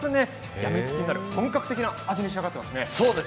やみつきになる本格的な味に仕上がっていますね。